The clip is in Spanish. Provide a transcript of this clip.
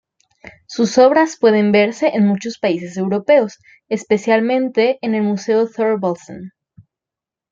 Sus obras pueden verse en muchos países europeos, especialmente en el Museo Thorvaldsen.